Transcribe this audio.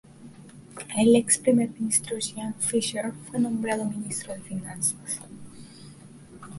El ex primer ministro Jan Fischer fue nombrado ministro de finanzas.